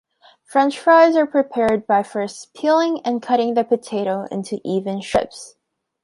French fries are prepared by first peeling and cutting the potato into even strips.